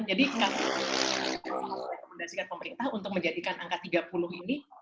jadi kami rekomendasikan pemerintah untuk menjadikan angka tiga puluh ini